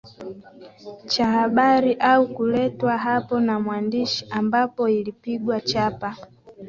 Cha habari au kuletwa hapo na mwandishi ambapo ilipigwa chapa